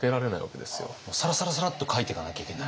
サラサラサラッと描いてかなきゃいけない。